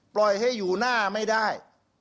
ปล่อยให้อยู่หน้าไม่ได้